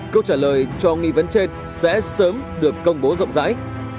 câu trả lời cho nghi vấn trên sẽ sớm được công bố rộng rãi